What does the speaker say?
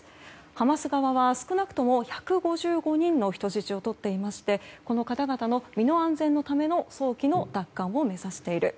ハマス側は少なくとも１５５人の人質をとっていましてこの方々の身の安全のための早期の奪還を目指している。